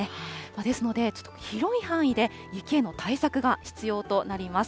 ですので、ちょっと広い範囲で雪への対策が必要となります。